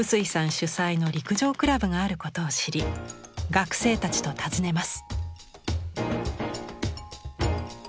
主宰の陸上クラブがあることを知り学生たちと訪ねます。